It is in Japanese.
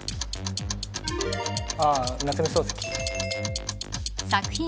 ああ夏目漱石。